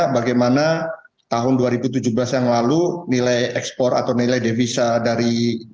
bagaimana tahun dua ribu tujuh belas yang lalu nilai ekspor atau nilai devisa dari